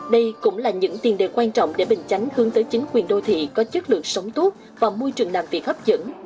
đây cũng là những tiền đề quan trọng để bình chánh hướng tới chính quyền đô thị có chất lượng sống tốt và môi trường làm việc hấp dẫn